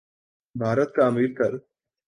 بھارت کا امیر تر